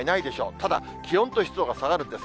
ただ、気温と湿度が下がるんです。